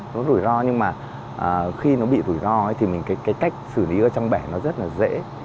nó rủi ro nhưng mà khi nó bị rủi ro ấy thì mình cái cách xử lý ở trong bể nó rất là dễ